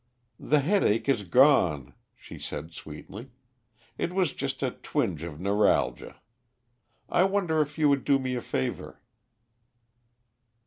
"The headache is gone," she said sweetly. "It was just a twinge of neuralgia. I wonder if you would do me a favor."